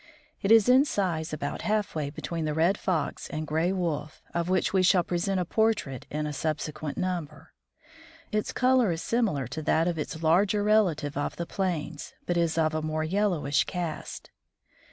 It is in size about half way between the Red Fox (see p. 67) and Gray Wolf, of which we shall present a portrait in a subsequent number. Its color is similar to that of its larger relative of the plains, but is of a more yellowish cast.